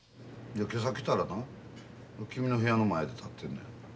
今朝来たらな君の部屋の前で立ってるのや。